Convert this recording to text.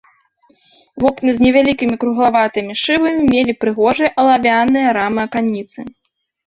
Вокны з невялікімі круглаватымі шыбамі мелі прыгожыя алавяныя рамы-аканіцы.